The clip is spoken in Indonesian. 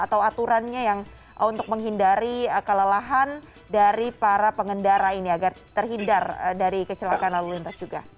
atau aturannya yang untuk menghindari kelelahan dari para pengendara ini agar terhindar dari kecelakaan lalu lintas juga